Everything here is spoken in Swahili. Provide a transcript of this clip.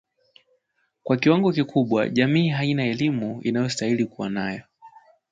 Kwa kiwango kikubwa jamii haina elimu inayostahili kuwa nayo